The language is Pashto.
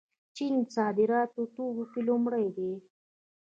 چین صادراتي توکو کې لومړی دی.